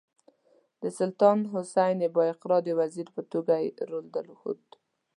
د سلطان حسین بایقرا د وزیر په توګه یې رول وښود.